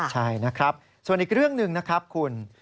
ใช่นะครับส่วนอีกเรื่องหนึ่งนะครับคุณ